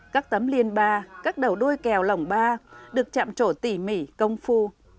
các tấm liên ba các đầu đuôi kèo lồng ba được chạm trổ tỉ mỉ công phu